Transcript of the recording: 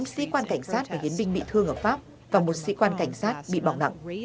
một trăm linh tám sĩ quan cảnh sát và hiến binh bị thương ở pháp và một sĩ quan cảnh sát bị bỏng nặng